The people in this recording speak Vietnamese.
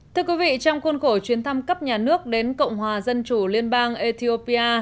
thưa quý vị trong khuôn khổ chuyến thăm cấp nhà nước đến cộng hòa dân chủ liên bang ethiopia